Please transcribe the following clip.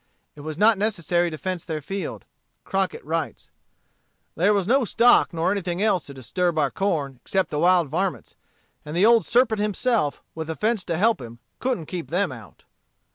It was not necessary to fence their field. Crockett writes: "There was no stock nor anything else to disturb our corn except the wild varmints; and the old serpent himself, with a fence to help him, couldn't keep them out."